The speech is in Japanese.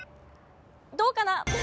どうかな？